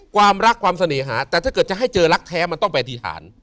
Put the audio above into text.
ความรักความเสน่หาแต่ถ้าเกิดจะให้เจอรักแท้มันต้องไปอธิษฐาน